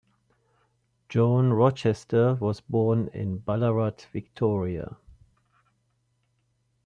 Joan Rochester was born in Ballarat, Victoria.